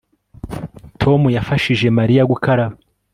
Tom yafashije Mariya gukaraba